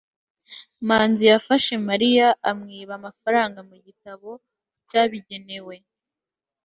manzi yafashe mariya amwiba amafaranga mu gitabo cyabigenewe